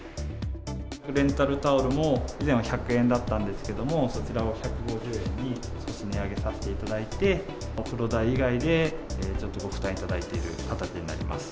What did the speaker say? レンタルタオルも以前は１００円だったんですけれども、そちらを１５０円に値上げさせていただいて、お風呂代以外でちょっとご負担いただいている形になります。